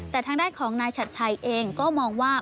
แต่ทางด้านของนายชัดชัยเองก็มองว่า